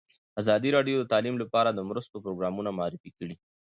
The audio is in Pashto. ازادي راډیو د تعلیم لپاره د مرستو پروګرامونه معرفي کړي.